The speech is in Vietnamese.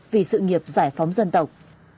vì sự nghiệp giải phóng dân tộc